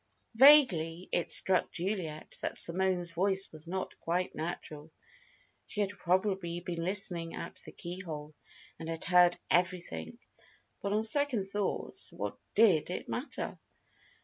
Vaguely it struck Juliet that Simone's voice was not quite natural. She had probably been listening at the keyhole, and had heard everything. But, on second thoughts, what did it matter?